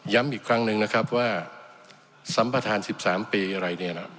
ย้ำอีกครั้งหนึ่งนะครับว่าสัมภาษณ์สิบสามปีอะไรเนี่ยน่ะ